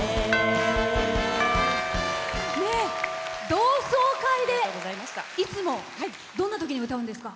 同窓会でいつも、どんなときに歌うんですか？